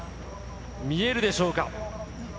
見えるでしょうか。